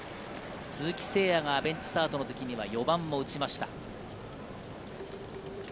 鈴木誠也がベンチスタートの時には４番も打ちました。